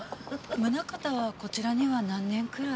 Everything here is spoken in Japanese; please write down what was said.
宗形はこちらには何年くらい？